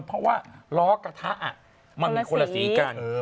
เพราะว่าล้อกระทะมันมีคนละสีกัน